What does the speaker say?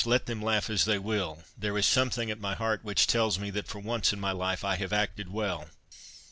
let them laugh as they will, there is something at my heart which tells me, that for once in my life I have acted well."